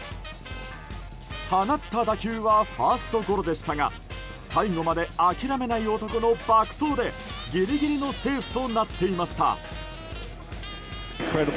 放った打球はファーストゴロでしたが最後まで諦めない男の爆走でギリギリのセーフとなっていました。